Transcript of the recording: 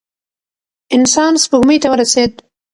انسان سپوږمۍ ته ورسېد.